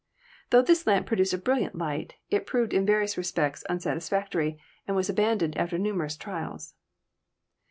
Tho this lamp produced a brilliant light, it proved in various respects un satisfactory, and was abandoned after numerous trials.